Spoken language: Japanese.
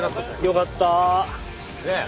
よかった。